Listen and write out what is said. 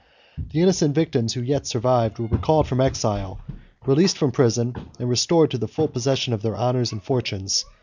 The innocent victims, who yet survived, were recalled from exile, released from prison, and restored to the full possession of their honors and fortunes.